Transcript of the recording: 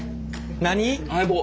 何？